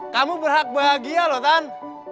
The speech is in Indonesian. kamu berhak bahagia loh tan